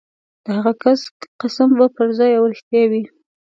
د هغه کس قسم به پرځای او رښتیا وي.